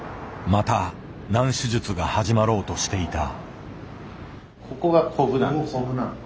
また難手術が始まろうとしていた。